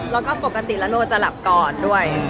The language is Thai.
แล้วก็ปกติเราโนะเราจะหลับก่อนด้วย